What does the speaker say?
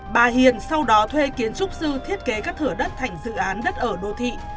bà hiền sau đó thuê kiến trúc sư thiết kế các thửa đất thành dự án đất ở đô thị